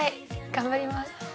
頑張ります。